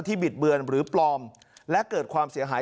บิดเบือนหรือปลอมและเกิดความเสียหาย